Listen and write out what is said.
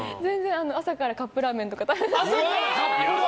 朝からカップラーメンとか食べます。